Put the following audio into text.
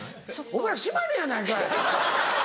お前ら島根やないかい！